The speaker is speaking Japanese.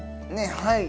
はい。